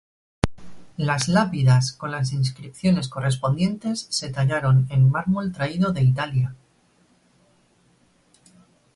Las lápidas con las inscripciones correspondientes se tallaron en mármol traído de Italia.